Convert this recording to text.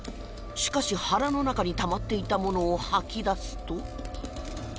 しかし腹の中にたまっていたものを吐き出すと